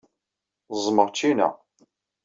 Ẓẓmeɣ ccina.